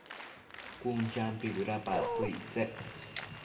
Cun champi bëdapactsëc ictsec